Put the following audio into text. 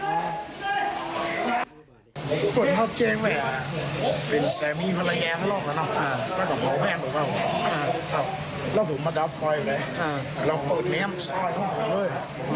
ก่อนพักเจ๊แม่เป็นแซมีภรรยาทั้งหมดแล้วเนาะแล้วผมมาดับไฟล์ไว้แล้วเปิดน้ำซ่อยข้างหลังเลย